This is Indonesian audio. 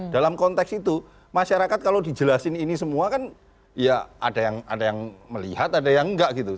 dalam konteks itu masyarakat kalau dijelasin ini semua kan ya ada yang melihat ada yang enggak gitu